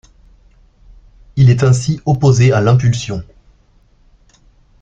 Il est ainsi opposé à l'impulsion.